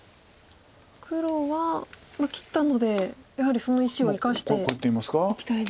黒は切ったのでやはりその石を生かしていきたい。